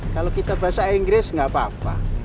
kalau kita bahasa inggris tidak apa apa